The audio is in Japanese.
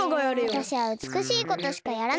わたしはうつくしいことしかやらない！